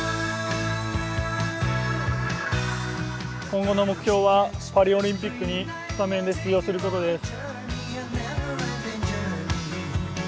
今後の目標は、パリオリンピックにスタメンで出場することです。